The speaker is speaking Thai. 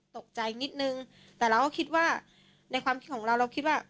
ตกใจนิดนึงแต่เราก็คิดว่าในความคิดของเราเราคิดว่า